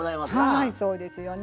はいそうですよね。